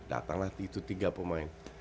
datanglah itu tiga pemain